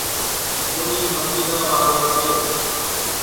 ڪورِي متيران واويَ سي۔